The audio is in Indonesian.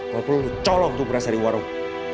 kalau perlu lo colok itu beras dari warung